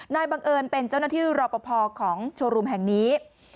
บังเอิญเป็นเจ้าหน้าที่รอปภของโชว์รูมแห่งนี้